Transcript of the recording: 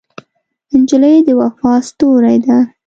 نجلۍ د وفا ستورې ده.